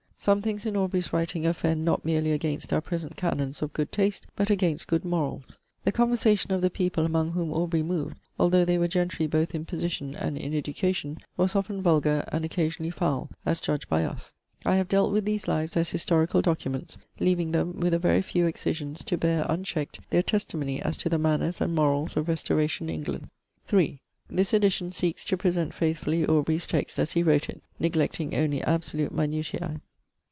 Some things in Aubrey's writing offend not merely against our present canons of good taste, but against good morals. The conversation of the people among whom Aubrey moved, although they were gentry both in position and in education, was often vulgar, and occasionally foul, as judged by us. I have dealt with these lives as historical documents, leaving them, with a very few excisions, to bear, unchecked, their testimony as to the manners and morals of Restoration England. 3. This edition seeks to present faithfully Aubrey's text as he wrote it, neglecting only absolute minutiae.